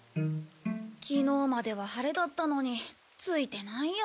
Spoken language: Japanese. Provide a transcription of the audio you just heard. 昨日までは晴れだったのについてないや。